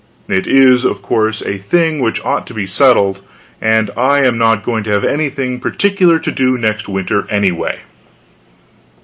It is, of course, a thing which ought to be settled, and I am not going to have anything particular to do next winter anyway.